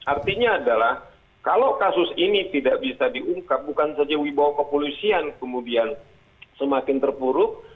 artinya adalah kalau kasus ini tidak bisa diungkap bukan saja wibawa kepolisian kemudian semakin terpuruk